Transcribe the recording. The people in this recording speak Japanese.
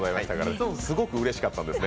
ものすごくうれしかったです。